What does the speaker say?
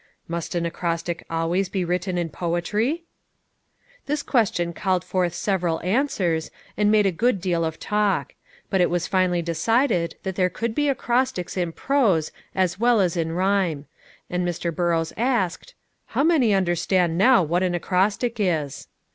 "Must an acrostic always be written in poetry?" This question called forth several answers, and made a good deal of talk; but it was finally decided that there could be acrostics in prose as well as in rhyme; and Mr. Burrows asked, "How many understand now what an acrostic is?"